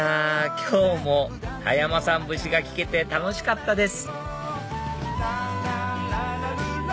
今日も田山さん節が聞けて楽しかったです